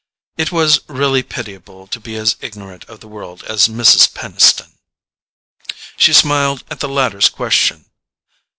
It was really pitiable to be as ignorant of the world as Mrs. Peniston! She smiled at the latter's question.